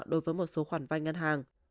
đối với một số khoản vai ngân hàng